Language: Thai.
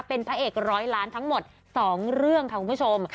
เป็นพระเอกร้อยล้านทั้งหมด๒เรื่องค่ะคุณผู้ชม